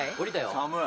寒い。